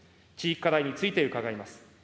地域課題について伺います。